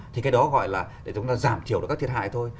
thì cái đó gọi là để chúng ta giảm thiểu được các thiệt hại thôi